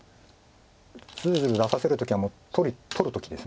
ずるずる出させる時はもう取る時です。